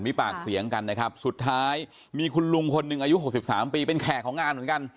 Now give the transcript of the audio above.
มีปากเสียงกันนะครับสุดท้ายมีคุณลุงคนหนึ่งอายุหกสิบสามปีเป็นแขกของงานเหมือนกัน